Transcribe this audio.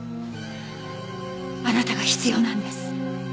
あなたが必要なんです。